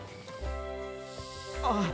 あっ！